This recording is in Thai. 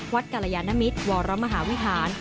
วัดกัลยานมิตรวรมหาวิหาร